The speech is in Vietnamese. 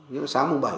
nghĩa là sáng mùng bảy